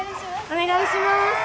お願いします。